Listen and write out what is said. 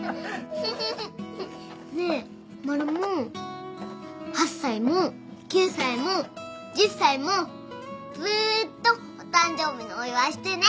ねえマルモ８歳も９歳も１０歳もずっとお誕生日のお祝いしてね。